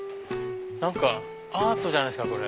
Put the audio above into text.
何かアートじゃないですかこれ。